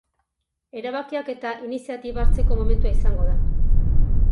Erabakiak eta iniziatiba hartzeko momentua izango da.